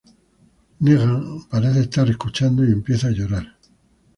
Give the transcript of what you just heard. Negan parece estar escuchando y empieza a llorar.